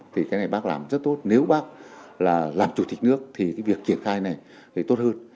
thì cái này bác làm rất tốt nếu bác là làm chủ tịch nước thì cái việc triển khai này tốt hơn